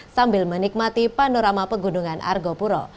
sambil menikmati panorama pegunungan argo puro